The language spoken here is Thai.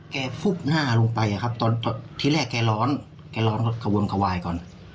ฟุบหน้าลงไปอะครับตอนที่แรกแกร้อนแกร้อนขวงขวายก่อน